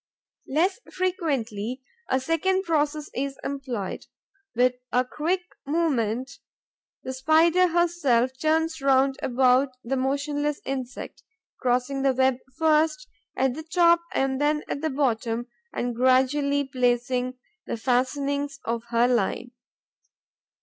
Less frequently, a second process is employed. With a quick movement, the Spider herself turns round about the motionless insect, crossing the web first at the top and then at the bottom and gradually placing the fastenings of her line.